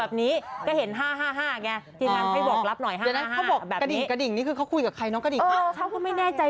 เอาอีกทีเอาอีกทีเอาอีกทีเอาอีกทีเอาอีกทีเอาอีกที